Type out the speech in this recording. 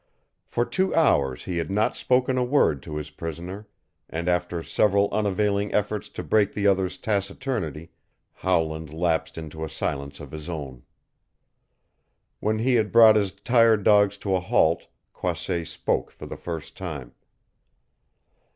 For two hours he had not spoken a word to his prisoner and after several unavailing efforts to break the other's taciturnity Howland lapsed into a silence of his own. When he had brought his tired dogs to a halt, Croisset spoke for the first time.